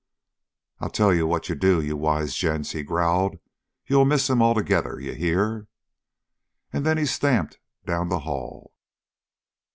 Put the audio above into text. "I'll tell you what you'll do, you wise gents," he growled. "You'll miss him altogether. You hear?" And then he stamped down the hall.